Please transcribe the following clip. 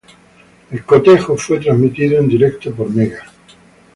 El cotejo fue transmitido en directo por Mega.